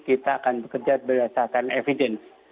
kita akan bekerja berdasarkan evidence